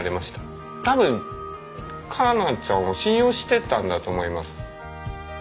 多分佳奈ちゃんを信用してたんだと思います。